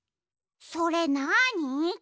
それなに？